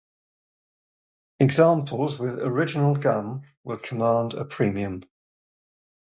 Examples with original gum will command a premium.